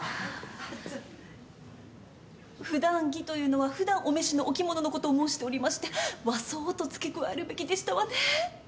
普段着というのは普段お召しのお着物のことを申しておりまして和装と付け加えるべきでしたわね。